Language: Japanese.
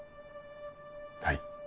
はい。